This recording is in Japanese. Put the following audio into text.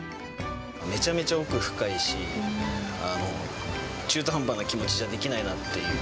めちゃめちゃ奥深いし、中途半端な気持ちじゃできないなっていう。